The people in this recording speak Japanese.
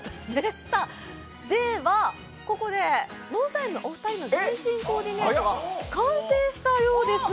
ではここで、ＮＯＮＳＴＹＬＥのお二人の全身コーディネートが完成したようです。